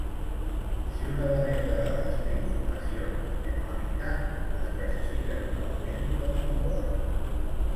Si un element de dades té informació mnemònica, es classifica normalment com a un codi.